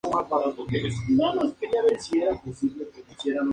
Se suponía que viviría una vida y sus padres nunca deberían verla muerta".